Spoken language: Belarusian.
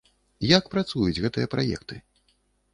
Як працуюць гэтыя праекты?